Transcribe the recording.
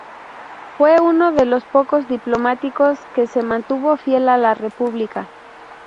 Fue uno de los pocos diplomáticos que se mantuvo fiel a la República.